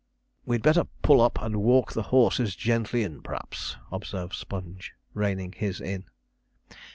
'We'd better pull up and walk the horses gently in, p'raps,' observed Sponge, reining his in.